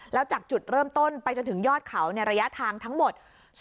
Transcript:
แล้วจากจุดเริ่มต้นไปจนถึงยอดเขาในระยะทางทั้งหมด